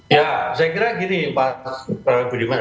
ya saya kira gini pak budiman